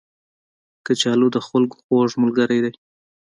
کچالو د خلکو خوږ ملګری دی